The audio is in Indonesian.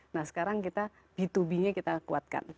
nah sekarang kita b dua b nya kita kuatkan